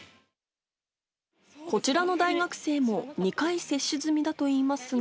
こちらの大学生も、２回接種済みだといいますが。